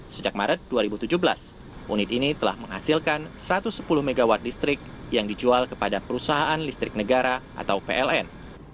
sejak maret dua ribu tujuh belas unit ini telah menghasilkan satu ratus sepuluh mw listrik yang dijual kepada perusahaan listrik negara atau pln